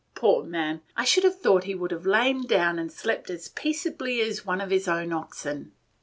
Poor man! I should have thought he would have lain down and slept as peaceably as one of his own oxen.